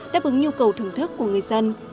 đáp ứng nhu cầu thưởng thức của người dân